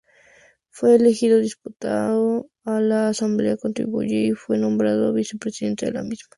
Fue elegido diputado a la Asamblea Constituyente, y fue nombrado vicepresidente de la misma.